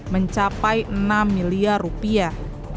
mencapai enam miliar rupiah